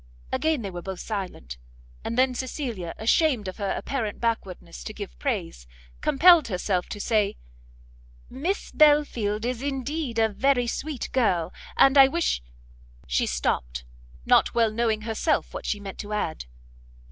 Again they were both silent; and then Cecilia, ashamed of her apparent backwardness to give praise, compelled herself to say, "Miss Belfield is indeed a very sweet girl, and I wish " she stopt, not well knowing herself what she meant to add.